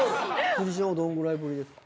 辻ちゃんはどんぐらいぶりですか？